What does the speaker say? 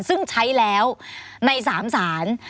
ซึ่งใช้แล้วใน๓สาร